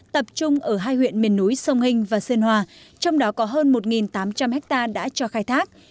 tập trung ở hai huyện miền núi sông hình và sơn hòa trong đó có hơn một tám trăm linh hectare đã cho khai thác